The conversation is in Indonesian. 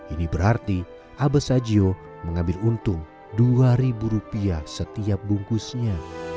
ini berarti abah sajio mengambil untung rp dua setiap bungkusnya